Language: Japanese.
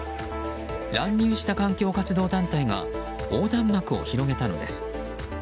乱入した環境活動団体が横断幕を広げたのです。